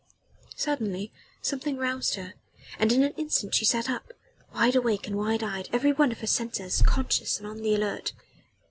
Suddenly something roused her, and in an instant she sat up wide awake and wide eyed, every one of her senses conscious and on the alert.